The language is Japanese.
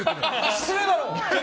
失礼だろ！